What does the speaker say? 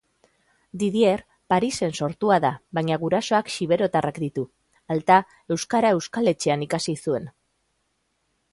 Didier Parisen sortua da baina gurasoak xiberotarrak ditu. Alta, euskara Euskal Etxean ikasi zuen.